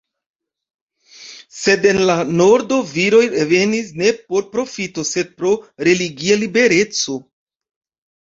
Sed en la nordo, viroj venis ne por profito sed pro religia libereco.